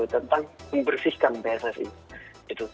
tentang membersihkan pssi